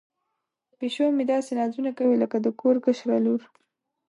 پیشو مې داسې نازونه کوي لکه د کور کشره لور.